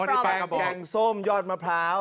แกงสมหยอดมะพราว